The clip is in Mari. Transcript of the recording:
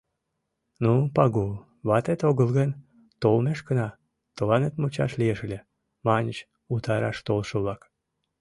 «Ну, Пагул, ватет огыл гын, толмешкына тыланет мучаш лиеш ыле», — маньыч утараш толшо-влак.